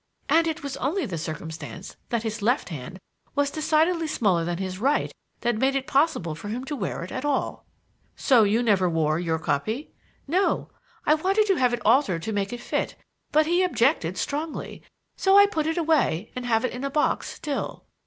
And it was only the circumstance that his left hand was decidedly smaller than his right that made it possible for him to wear it all." "So you never wore your copy?" "No. I wanted to have it altered to make it fit, but he objected strongly; so I put it away, and have it in a box still."